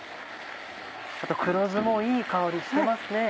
あと黒酢もいい香りしてますね。